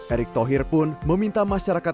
erick thohir pun meminta masyarakat